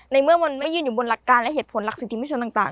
ในเมื่อมันไม่ยืนอยู่บนหลักการและเหตุผลหลักสิทธิมิชนต่าง